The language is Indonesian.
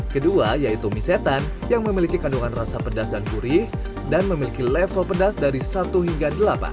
kedua yaitu mie setan yang memiliki kandungan rasa pedas dan gurih dan memiliki level pedas dari satu hingga delapan